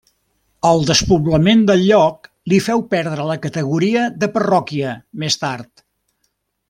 El despoblament del lloc li féu perdre la categoria de parròquia més tard.